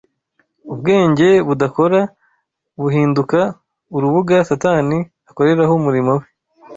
Ubwenge budakora buhinduka urubuga Satani akoreraho umurimo we.